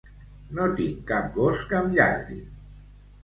No tinc cap gos que em lladri.